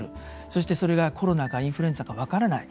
そして、それがコロナかインフルエンザか分からない。